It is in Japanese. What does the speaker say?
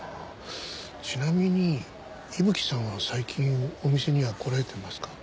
ちなみに伊吹さんは最近お店には来られてますか？